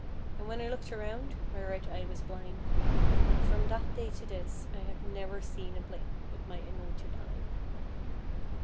And when I looked around, my right eye was blind. And from that day to this I have never seen a blink with my anointed eye.